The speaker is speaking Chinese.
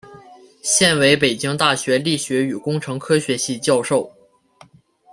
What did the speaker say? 现为北京大学力学与工程科学系教授。